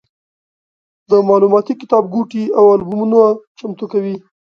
د معلوماتي کتابګوټي او البومونه چمتو کوي.